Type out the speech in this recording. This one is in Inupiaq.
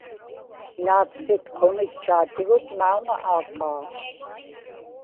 naavsitquŋitchaatigut mauŋa aakaa